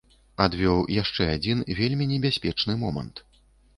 Адвёў яшчэ адзін вельмі небяспечны момант.